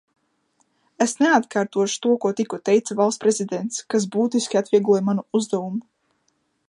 Es neatkārtošu to, ko tikko teica Valsts prezidents, kas būtiski atviegloja manu uzdevumu.